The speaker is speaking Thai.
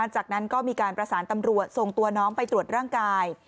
จากนั้นก็มีการประสานตำรวจส่งตัวน้องไปตรวจร่างกาย